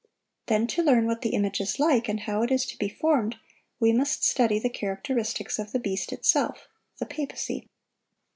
Then to learn what the image is like, and how it is to be formed, we must study the characteristics of the beast itself,—the papacy.